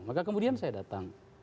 maka kemudian saya datang